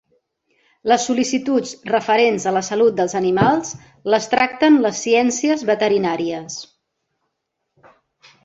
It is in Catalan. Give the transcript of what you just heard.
Les sol·licituds referents a la salut dels animals les tracten les ciències veterinàries.